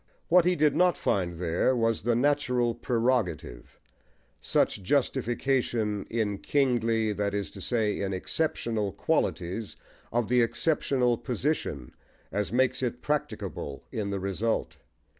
What he did not find there was the natural prerogative such justification, in kingly, that is to say, in exceptional, qualities, of the exceptional position, as makes it practicable in the result.